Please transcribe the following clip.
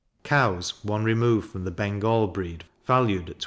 Cows one remove from the Bengal breed valued at 28L.